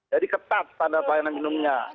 jadi ketat standar pelayanan minimum nya